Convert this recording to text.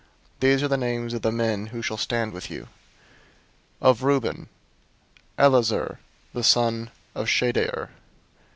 001:005 These are the names of the men who shall stand with you: Of Reuben: Elizur the son of Shedeur.